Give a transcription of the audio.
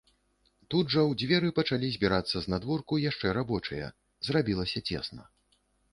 Тут жа ў дзверы пачалі збірацца знадворку яшчэ рабочыя, зрабілася цесна.